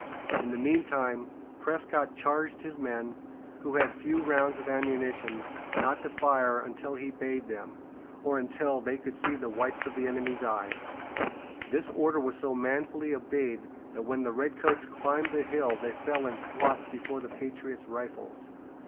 In the meantime, Prescott charged his men, who had few rounds of ammunition, not to fire until he bade them, or until they could see the whites of the enemies' eyes. [Illustration: Battle of Bunker Hill.] This order was so manfully obeyed that when the redcoats climbed the hill they fell in swaths before the patriots' rifles.